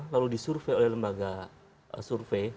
lalu disurvey oleh lembaga survei